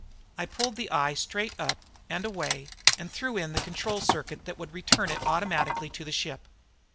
I pulled the eye straight up and away and threw in the control circuit that would return it automatically to the ship.